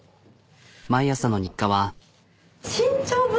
毎朝の日課は。